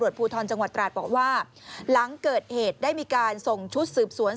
ภูทรจังหวัดตราดบอกว่าหลังเกิดเหตุได้มีการส่งชุดสืบสวน